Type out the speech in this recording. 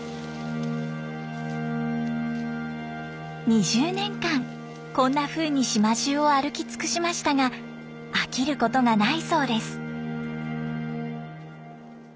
２０年間こんなふうに島じゅうを歩き尽くしましたが飽きることがないそうです。